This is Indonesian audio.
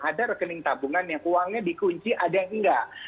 ada rekening tabungan yang uangnya dikunci ada yang enggak